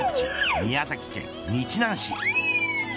宮崎県日南市。